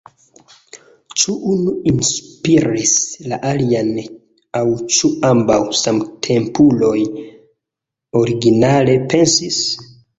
Ĉu unu inspiris la alian aŭ ĉu ambaŭ, samtempuloj, originale pensis?